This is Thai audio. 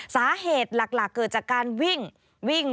สาเหตุหลักเกิดจากการวิ่งวิ่ง